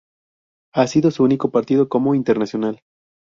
Ha sido su único partido como internacional.